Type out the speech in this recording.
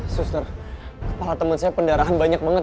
suster kepala teman saya pendarahan banyak banget